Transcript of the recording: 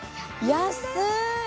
安い！